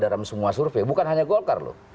dalam semua survei bukan hanya golkar loh